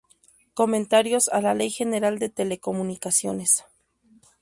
Comentarios a la Ley General de Telecomunicaciones.